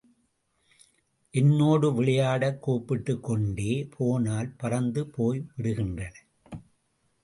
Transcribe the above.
என்னோடு விளையாடக் கூப்பிட்டுக்கொண்டே போனால் பறந்து போய்விடுகின்றன.